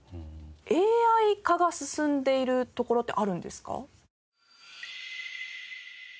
ＡＩ化が進んでいるところってあるんですか？